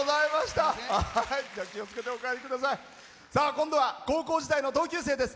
今度は高校時代の同級生です。